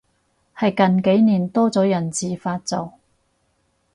係近幾年多咗人自發做